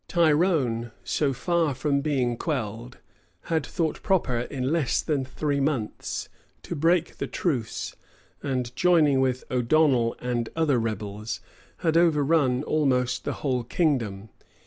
Tyrone, so far from being quelled, had thought proper, in less than three months, to break the truce, and joining with O'Donnel and other rebels, had overrun almost the whole kingdom.